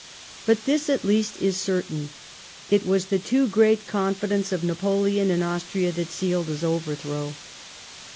But this at least is certain : it ^vas the too great confidence of Napoleon in Austria that sealed his overthrow.